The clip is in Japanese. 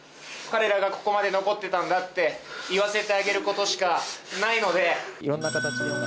彼らがここまで残ってたんだって言わせてあげることしかないので。